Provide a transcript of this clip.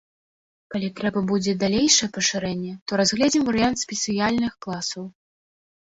Калі трэба будзе і далейшае пашырэнне, то разгледзім варыянт спецыяльных класаў.